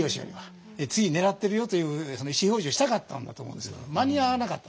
次狙ってるよという意思表示をしたかったんだと思うんですけど間に合わなかった。